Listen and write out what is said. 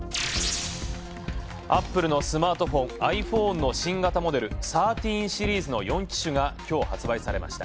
アップルのスマートフォン、ｉＰｈｏｎｅの新型モデル１３の４機種がきょう発売されました。